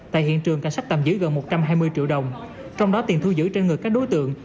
tại hiện trường cảnh sát tạm giữ gần một trăm hai mươi triệu đồng trong đó tiền thu giữ trên người các đối tượng